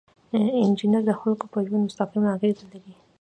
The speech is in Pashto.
انجینر د خلکو په ژوند مستقیمه اغیزه لري.